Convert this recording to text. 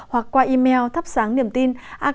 hoặc qua email thapsangniemtin org vn